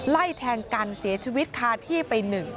ไล่แทงกันเสียชีวิตคาที่ไป๑